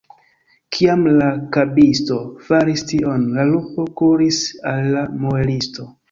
Kiam la bakisto faris tion, la lupo kuris al la muelisto.